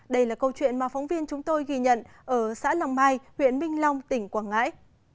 đây là câu chuyện mà phóng viên chúng tôi ghi nhận ở xã long mai huyện minh long tỉnh quảng ngãi